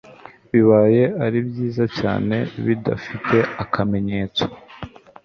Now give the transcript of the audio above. bibaye ari byiza cyane bidafite akamenyetso